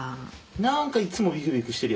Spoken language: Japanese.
なんかいっつもビクビクしてるよね。